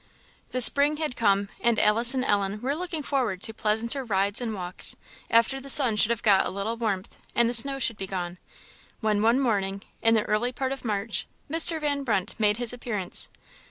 The spring had come; and Alice and Ellen were looking forward to pleasanter rides and walks, after the sun should have got a little warmth, and the snow should be gone; when one morning, in the early part of March, Mr. Van Brunt made his appearance.